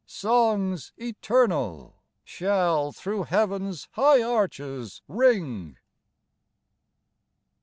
Songs eternal Shall through heaven's high arches ring.